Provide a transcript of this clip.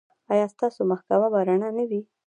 ایا ستاسو محکمه به رڼه نه وي؟